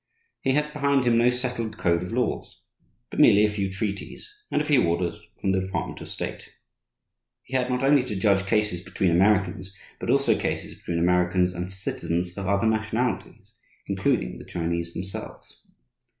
He had behind him no settled code of laws, but merely a few treaties and a few orders from the Department of State. He had not only to judge cases between Americans, but also cases between Americans and citizens of other nationalities, including the Chinese themselves.